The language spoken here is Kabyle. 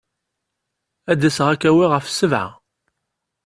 Ad d-aseɣ ad k-awiɣ ɣef sebɛa.